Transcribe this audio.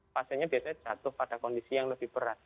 pasiennya biasanya jatuh pada kondisi yang lebih berat